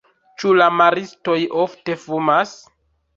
Ĉu la maristoj ofte fumas?